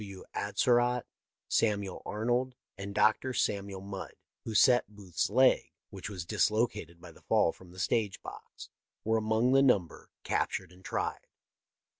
W. Atzerodt, Samuel Arnold, and Dr. Samuel Mudd, who set Booth's leg, which was dislocated by the fall from the stage box, were among the number captured and tried.